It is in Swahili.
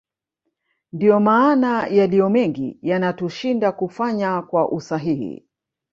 Ndio maana yaliyomengi yanatushinda kufanya kwa usahihi